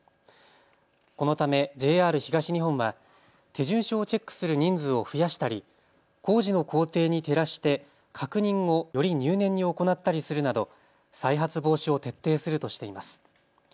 このためＪＲ東日本は手順書をチェックする人数を増やしたり工事の工程に照らして確認をより入念に行ったりするなど再発防止を徹底するとしています。